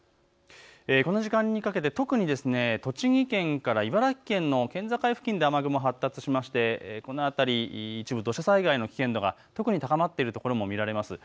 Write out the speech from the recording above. この時間にかけて特に栃木県から茨城県の県境付近で雨雲が発達しまして一部、土砂災害の危険度が特に高まっているところも見られます。